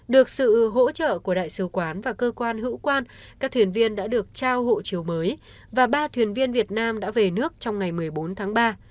được sự hỗ trợ của đại sứ quán và cơ quan hữu quan các thuyền viên đã được trao hộ chiếu mới và ba thuyền viên việt nam đã về nước trong ngày một mươi bốn tháng ba